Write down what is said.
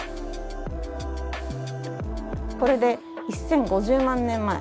これで１，０５０万年前。